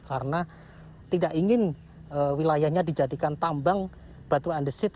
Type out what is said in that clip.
karena tidak ingin wilayahnya dijadikan tambang batu andesit